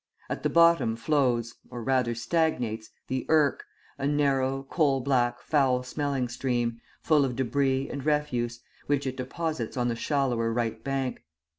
At the bottom flows, or rather stagnates, the Irk, a narrow, coal black, foul smelling stream, full of debris and refuse, which it deposits on the shallower right bank.